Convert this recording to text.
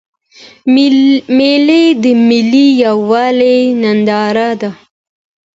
مېلې د ملي یوالي ننداره ده.